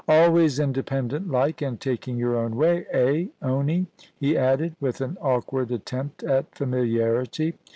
'Always independent like, and taking your own way — eh, Honie ?* he added, with an awkward attempt at familiarity.